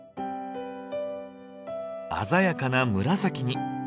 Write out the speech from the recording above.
鮮やかな紫に。